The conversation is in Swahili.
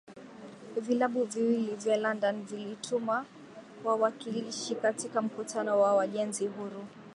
vilabu viwili vya london vilituma wawakilishi katika mkutano wa Wajenzi huru